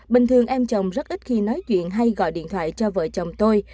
bình thường em chồng rất ít khi nói chuyện hay gọi điện thoại cho vợ chồng tôi